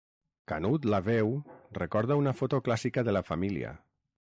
Canut la veu recorda una foto clàssica de la família.